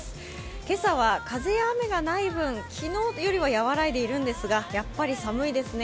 今朝は風や雨がない分昨日よりはやわらいでいるんですが、やっぱり寒いですね。